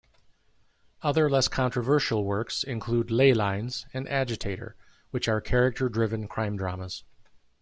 Other less controversial works include "Ley Lines" and "Agitator", which are character-driven crime dramas.